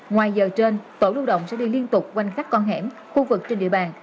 ngoài giờ trên tổ lưu động sẽ đi liên tục quanh các con hẻm khu vực trên địa bàn